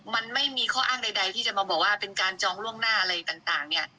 มันไม่มีข้ออ้างใดที่จะมาบอกว่าเป็นการจองล่วงหน้าอะไรต่างเนี่ย